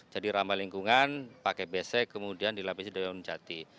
jadi ramai lingkungan pakai besek kemudian dilapisi daun jati